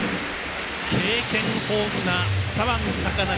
経験豊富な左腕、高梨。